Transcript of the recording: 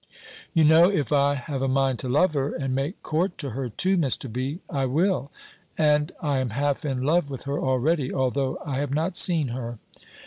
"You know, if I have a mind to love her, and make court to her too, Mr. B., I will: and I am half in love with her already, although I have not seen her."